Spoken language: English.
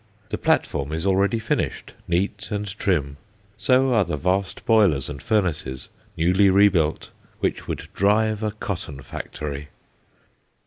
The platform is already finished, neat and trim; so are the vast boilers and furnaces, newly rebuilt, which would drive a cotton factory.